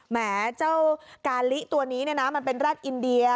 แม้เจ้ากาลิตัวนี้มันเป็นแร็ดอินเดีย